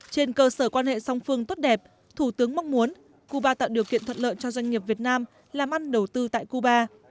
trên cơ sở quan hệ song phương tốt đẹp thủ tướng mong muốn cuba tạo điều kiện thuận lợi cho doanh nghiệp việt nam làm ăn đầu tư tại cuba